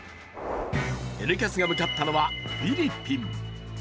「Ｎキャス」が向かったのはフィリピン。